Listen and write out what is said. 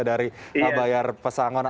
dari bayar pesangon